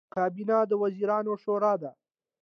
کابینه د وزیرانو شورا ده